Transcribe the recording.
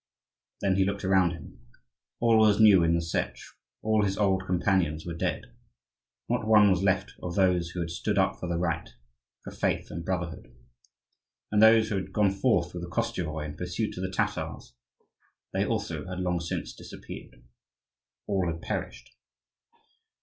Then he looked around him. All was new in the Setch; all his old companions were dead. Not one was left of those who had stood up for the right, for faith and brotherhood. And those who had gone forth with the Koschevoi in pursuit of the Tatars, they also had long since disappeared. All had perished.